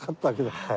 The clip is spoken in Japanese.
はい。